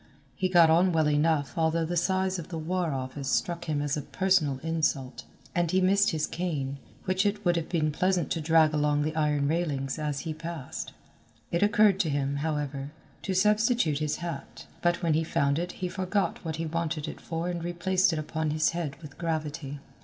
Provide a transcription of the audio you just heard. He got on well enough although the size of the War Office struck him as a personal insult, and he missed his cane, which it would have been pleasant to drag along the iron railings as he passed. It occurred to him, however, to substitute his hat, but when he found it he forgot what he wanted it for and replaced it upon his head with gravity.